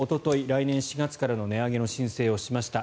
来年４月からの値上げの申請をしました。